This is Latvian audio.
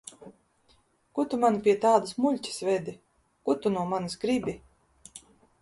Ko tu mani pie tādas muļķes vedi? Ko tu no manis gribi?